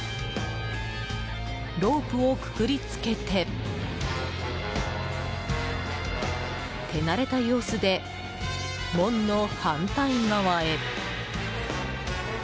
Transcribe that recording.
ロープをくくりつけて手慣れた様子で門の反対側へ。